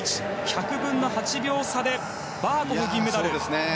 １００分の８秒差でバーコフ、銀メダル。